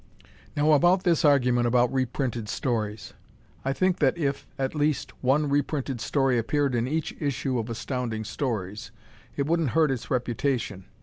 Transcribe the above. Now about this argument about reprinted stories. I think that if, at least, one reprinted story appeared in each issue of Astounding Stories, it wouldn't hurt its reputation.